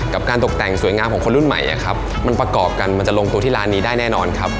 การตกแต่งสวยงามของคนรุ่นใหม่มันประกอบกันมันจะลงตัวที่ร้านนี้ได้แน่นอนครับ